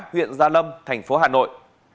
huyện gia lâm tp hà nội